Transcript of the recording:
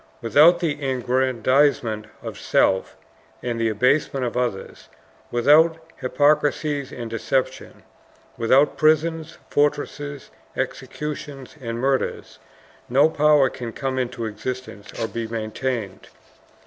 Without the aggrandizement of self and the abasement of others, without hypocrisies and deceptions, without prisons, fortresses, executions, and murders, no power can come into existence or be maintained.